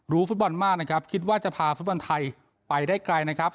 ฟุตบอลมากนะครับคิดว่าจะพาฟุตบอลไทยไปได้ไกลนะครับ